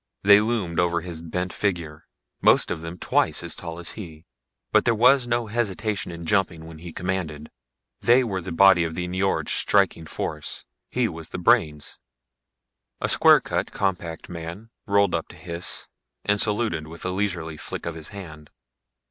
They loomed over his bent figure, most of them twice as tall as he, but there was no hesitation in jumping when he commanded. They were the body of the Nyjord striking force he was the brains. A square cut, compact man rolled up to Hys and saluted with a leisurely flick of his hand.